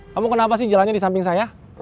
kamu kenapa sih jalannya disamping saya